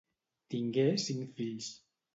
Tingué cinc fills.